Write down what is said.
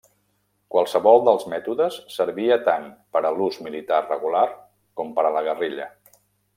Qualsevol dels mètodes servia tant per a l'ús militar regular com per a la guerrilla.